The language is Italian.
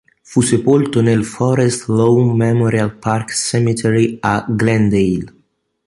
Fu sepolto nel Forest Lawn Memorial Park Cemetery a Glendale.